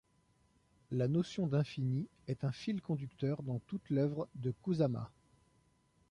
La notion d'infini est un fil conducteur dans toute l’œuvre de Kusama.